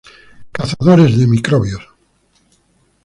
Cazadores de microbios.